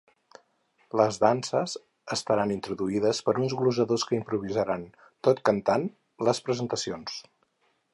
Les danses estaran introduïdes per uns glosadors que improvisaran, tot cantant, les presentacions.